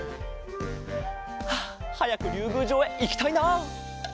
ああはやくりゅうぐうじょうへいきたいな。